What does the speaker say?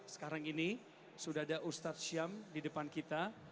sekarang ini sudah ada ustadz syam di depan kita